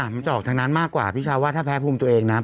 มันจะออกทางนั้นมากกว่าพี่ชาวว่าถ้าแพ้ภูมิตัวเองนะ